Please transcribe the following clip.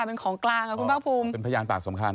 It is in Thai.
เป็นของกลางคุณพ่อภูมิ